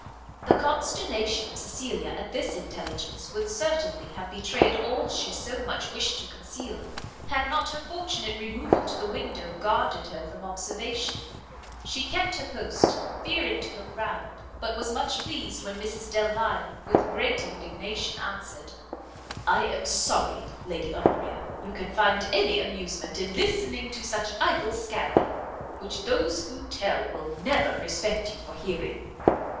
The consternation of Cecilia at this intelligence would certainly have betrayed all she so much wished to conceal, had not her fortunate removal to the window guarded her from observation. She kept her post, fearing to look round, but was much pleased when Mrs Delvile, with great indignation answered "I am sorry, Lady Honoria, you can find any amusement in listening to such idle scandal, which those who tell will never respect you for hearing.